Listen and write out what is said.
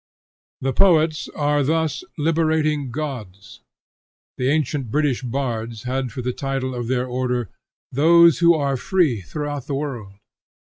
The poets are thus liberating gods. The ancient British bards had for the title of their order, "Those Who are free throughout the world."